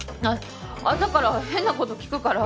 あ朝から変な事聞くから。